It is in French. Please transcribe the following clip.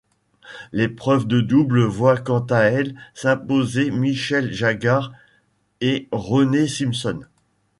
L'épreuve de double voit quant à elle s'imposer Michelle Jaggard et Rene Simpson.